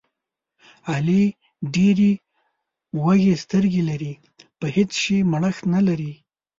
علي ډېرې وږې سترګې لري، په هېڅ شي مړښت نه لري.